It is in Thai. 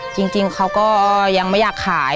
จริงเขาก็ยังไม่อยากขาย